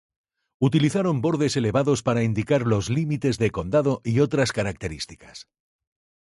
Utilizaron bordes elevados para indicar los límites de condado y otras características.